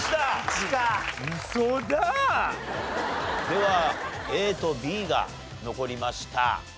ではＡとＢが残りました。